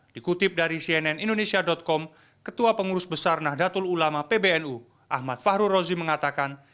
dikutip dari cnn indonesia com ketua pengurus besar nahdlatul ulama pbnu ahmad fahru rozi mengatakan